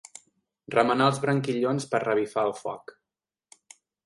Remenar els branquillons per revifar el foc.